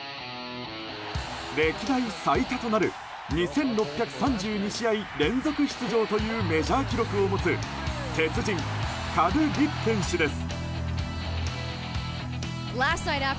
歴代最多となる２６３２試合連続出場というメジャー記録を持つ鉄人、カル・リプケン氏です。